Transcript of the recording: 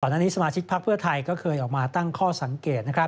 อันนี้สมาชิกพักเพื่อไทยก็เคยออกมาตั้งข้อสังเกต